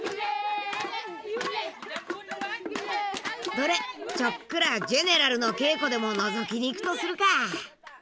どれちょっくらジェネラルの稽古でものぞきに行くとするか。